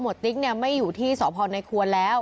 หมวดติ๊กไม่อยู่ที่สอบภอนธ์ในครัวแล้ว